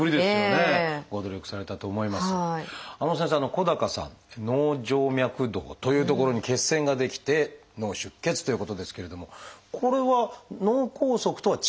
小高さん脳静脈洞という所に血栓が出来て脳出血ということですけれどもこれは脳梗塞とは違うんですか？